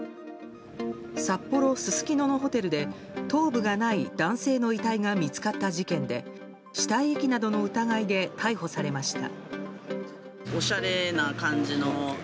札幌・すすきののホテルで頭部がない男性の遺体が見つかった事件で死体遺棄などの疑いで逮捕されました。